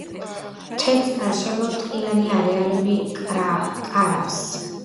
მთებს გარშემო ტყიანი არეალები კარავს.